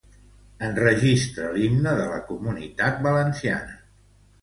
Enregistra l'himne de la Comunitat Valenciana.